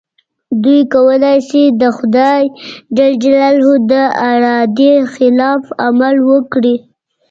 دوی کولای شي د خدای د ارادې خلاف عمل وکړي.